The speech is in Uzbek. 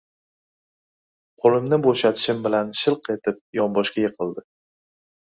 Qo‘limni bo‘shatishim bilan shilq etib yonboshga yiqildi.